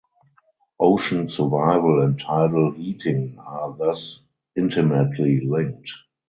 Ocean survival and tidal heating are thus intimately linked.